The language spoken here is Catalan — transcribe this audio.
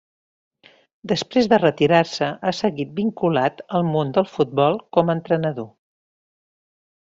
Després de retirar-se, ha seguit vinculat al món del futbol com a entrenador.